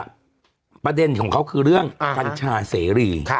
เน็ตถามการคุณชาวว่าประเด็นของเขาคือเรื่องกัญชาเสรี